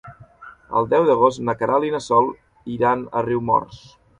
El deu d'agost na Queralt i na Sol iran a Riumors.